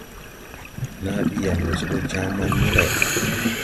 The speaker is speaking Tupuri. Naa bi yaŋ wɔ se bɔ Jaaman ni lay.